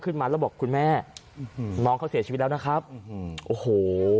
ขึ้นมาแล้วบอกคุณแม่อืมน้องเขาเสียชีวิตแล้วนะครับโอ้โห